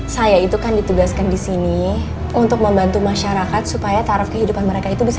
saya itu kan ditugaskan disini untuk membantu masyarakat supaya taruh kehidupan mereka itu bisa